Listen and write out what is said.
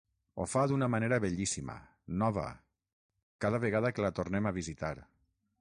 Ho fa d’una manera bellíssima, nova, cada vegada que la tornem a visitar.